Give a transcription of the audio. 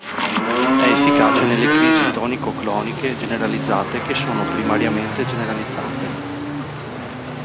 È efficace nelle crisi tonico-cloniche generalizzate che sono primariamente generalizzate.